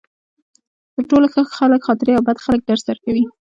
تر ټولو ښه خلک خاطرې او بد خلک درس درکوي.